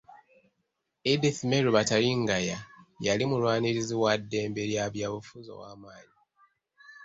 Edith Mary Bataringaya yali mulwanirizi wa ddembe lya byabufuzi ow'amaanyi